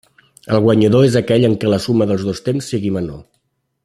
El guanyador és aquell en què la suma dels dos temps sigui menor.